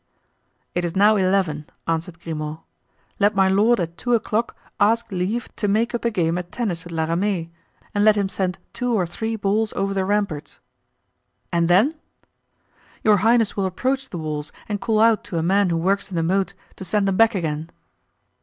"It is now eleven," answered Grimaud. "Let my lord at two o'clock ask leave to make up a game at tennis with La Ramee and let him send two or three balls over the ramparts." "And then?" "Your highness will approach the walls and call out to a man who works in the moat to send them back again."